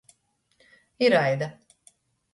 Iraida.